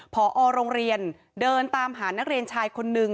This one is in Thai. พอโรงเรียนเดินตามหานักเรียนชายคนนึง